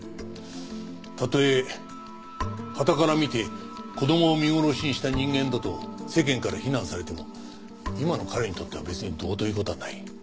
たとえはたから見て子供を見殺しにした人間だと世間から非難されても今の彼にとっては別にどうという事はない。